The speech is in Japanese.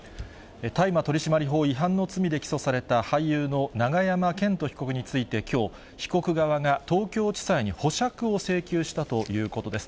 大麻取締法違反の罪で起訴された俳優の永山絢斗被告についてきょう、被告側が東京地裁に保釈を請求したということです。